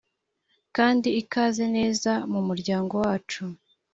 kandi ikaze neza mu muryango wacu.